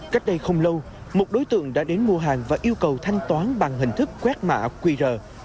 cách đây không lâu một đối tượng đã đến mua hàng và yêu cầu thanh toán bằng hình thức quét mạ quy rờ